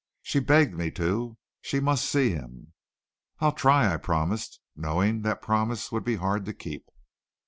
She begged me to. She must see him." "I'll try," I promised, knowing that promise would be hard to keep.